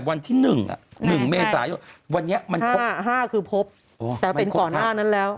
๕คือพบแต่เป็นก่อน๕นั้นแล้ว